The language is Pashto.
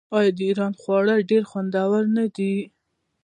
آیا د ایران خواړه ډیر خوندور نه دي؟